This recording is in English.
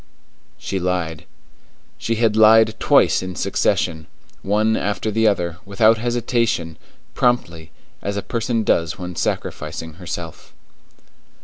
She lied. She had lied twice in succession, one after the other, without hesitation, promptly, as a person does when sacrificing herself.